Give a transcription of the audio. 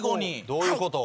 どういうこと？